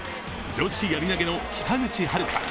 女子やり投げの北口榛花。